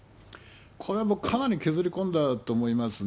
これもう、かなり削り込んだと思いますね。